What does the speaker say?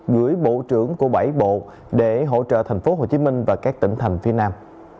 gửi bộ trưởng của bảy bộ để hỗ trợ thành phố hồ chí minh và các tỉnh thành phía nam